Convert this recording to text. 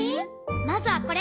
まずはこれ！